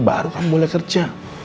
baru kamu boleh kerja